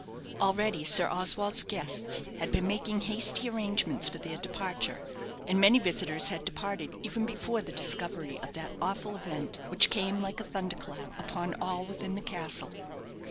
Already Sir Oswald's guests had been making hasty arrangements for their departure; and many visitors had departed even before the discovery of that awful event, which came like a thunderclap upon all within the castle.